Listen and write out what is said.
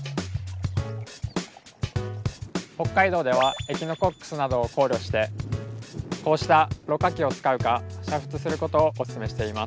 北海道ではエキノコックスなどを考慮してこうしたろ過器を使うか煮沸することをオススメしています。